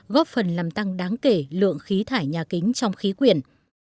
góp phần làm tăng đáng kể lượng khí thải nhà kính trong khí quyển